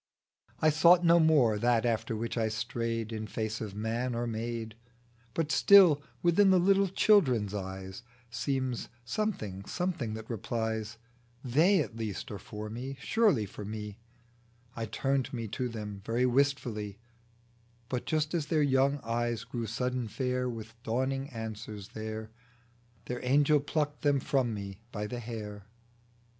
I sought no more that after which I strayed In face of man or maid ; But still within the little children's eyes Seems something, something that replies : They at least are for me, surely for me 1 I turned me to them very wistfully ; But, just as their young eyes grew sudden fair With dawning answers there, Their angel plucked them from me by the hair.